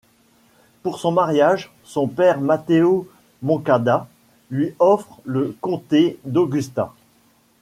Pour son mariage, son père Matteo Moncada lui offre le comté d'Augusta.